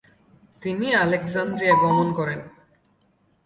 তিনি আলেক্সান্দ্রিয়া গমন করেন।